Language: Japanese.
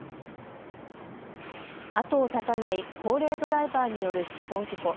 後を絶たない高齢ドライバーによる死亡事故。